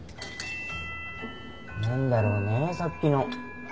何だろうねさっきの。